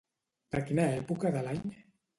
De quina època de l'any?